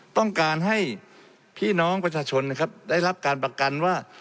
ต้องการให้พี่น้องประชาชนนะครับได้รับการประกันว่า